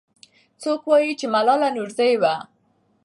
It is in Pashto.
څوک وایي چې ملالۍ نورزۍ وه؟